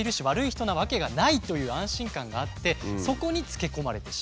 人なわけがないという安心感があってそこにつけ込まれてしまうと。